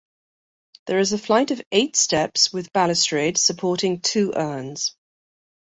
There is a flight of eight steps with balustrade supporting two urns.